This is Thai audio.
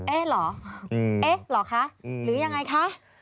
เอ๊ะเหรอเอ๊ะเหรอคะหรือยังไงคะ